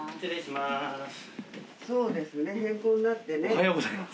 おはようございます。